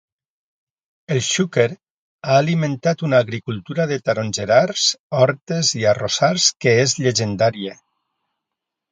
El Xúquer ha alimentat una agricultura de tarongerars, hortes i arrossars que és llegendària.